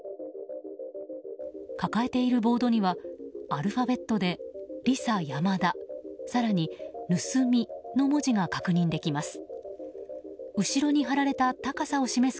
抱えているボードにはアルファベットで「ＲＩＳＡＹＡＭＡＤＡ」更に、盗みの文字が確認できます。